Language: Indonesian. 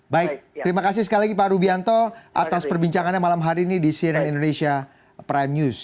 baik terima kasih sekali lagi pak rubianto atas perbincangannya malam hari ini di cnn indonesia prime news